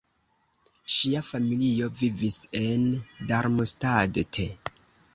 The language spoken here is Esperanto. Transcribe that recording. Ŝia familio vivis en Darmstadt.